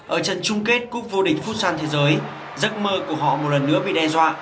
ở trận chung kết cúp vô địch futsal thế giới giấc mơ của họ một lần nữa bị đe dọa